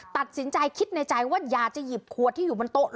ตัดสินใจคิดในใจว่าอยากจะหยิบขวดที่อยู่บนโต๊ะ